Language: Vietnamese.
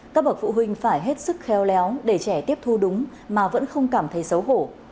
các bậc phụ huynh phải hết sức khéo léo để trẻ tiếp thu đúng mà vẫn không cảm thấy xấu hổ